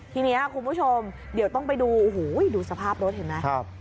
ทีนี้คุณผู้ชมเดี๋ยวต้องไปดูโอ้โหดูสภาพรถเห็นไหม